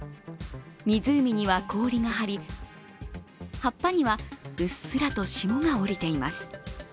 湖には氷が張り、葉っぱにはうっすらと霜が降りています。